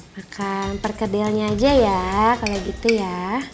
makan perkedelnya aja ya kalau gitu ya